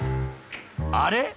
あれ？